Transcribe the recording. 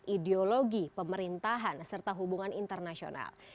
ideologi pemerintahan serta hubungan internasional